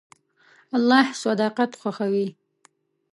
الله صداقت خوښوي.